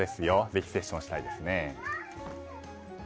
ぜひセッションしたいですね。